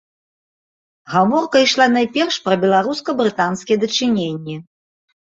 Гаворка ішла найперш пра беларуска-брытанскія дачыненні.